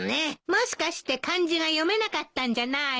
もしかして漢字が読めなかったんじゃないの？